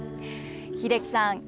英樹さん